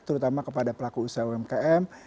terutama kepada pelaku usaha umkm